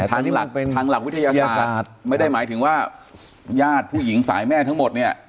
ทางหลักวิทยาศาสตร์ไม่ได้หมายถึงว่าญาติผู้หญิงสายแม่ทั้งหมดเนี่ย